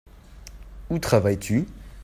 Où travailles-tu ?